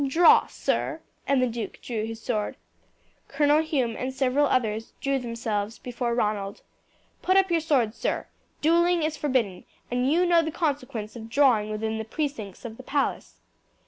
Draw, sir!" And the duke drew his sword. Colonel Hume and several others threw themselves before Ronald. "Put up your sword, sir. Duelling is forbidden, and you know the consequence of drawing within the precincts of the palace."